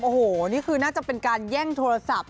โอ้โหนี่คือน่าจะเป็นการแย่งโทรศัพท์